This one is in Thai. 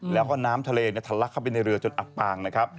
แล้วก็น้ำทะเลทะลักเข้าไปในเรือจนอับปางนะครับ